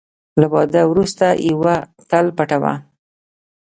له واده وروسته یوه تل پټوه .